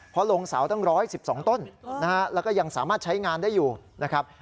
เพราะลงเสาตั้ง๑๑๒ต้นนะฮะแล้วก็ยังสามารถใช้งานได้อยู่นะครับ